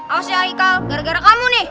awas ya haikal gara gara kamu nih